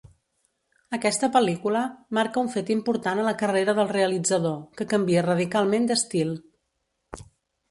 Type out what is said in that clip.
Aquesta pel·lícula marca un fet important a la carrera del realitzador, que canvia radicalment d'estil.